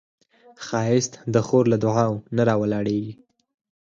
ښایست د خور له دعاوو نه راولاړیږي